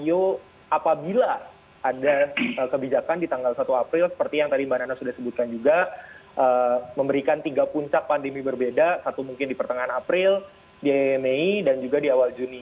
apabila ada kebijakan di tanggal satu april seperti yang tadi mbak nana sudah sebutkan juga memberikan tiga puncak pandemi berbeda satu mungkin di pertengahan april di mei dan juga di awal juni